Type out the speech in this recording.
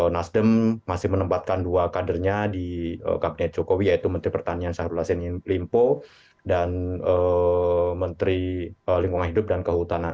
nasdem masih menempatkan dua kadernya di kabinet jokowi yaitu menteri pertanian syahrul yassin limlimpo dan menteri lingkungan hidup dan kehutanan